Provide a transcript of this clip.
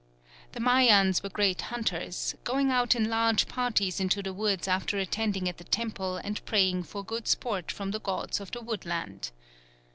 The Mayans were great hunters, going out in large parties into the woods after attending at the temple and praying for good sport from the gods of the woodland.